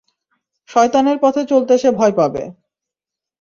শয়তানের পথে চলতে সে ভয় পাবে।